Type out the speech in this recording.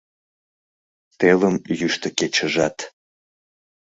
Телым йӱштӧ кечыжат.